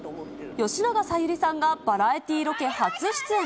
吉永小百合さんがバラエティーロケ初出演。